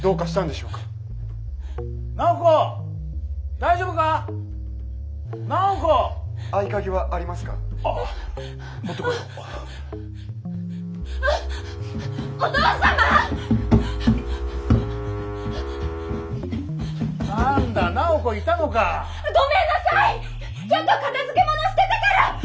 ちょっとかたづけものしてたからッ！